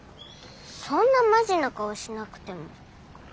そんなマジな顔しなくても。